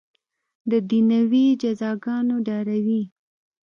د دنیوي جزاګانو ډاروي.